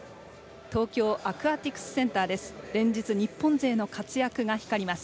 東京アクアティクスセンターです。